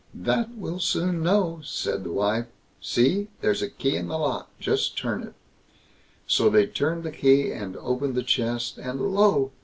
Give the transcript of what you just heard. "That we'll soon know", said his wife; "see, there's the key in the lock, just turn it." So they turned the key and opened the chest, and lo!